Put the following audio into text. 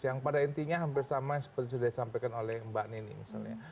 yang pada intinya hampir sama seperti sudah disampaikan oleh mbak nini misalnya